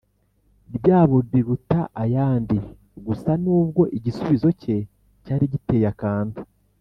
ryabo riruta ayandi. Gusa nubwo igisubizo cye cyari giteye akantu,